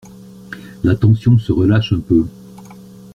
La tension se relâche un peu.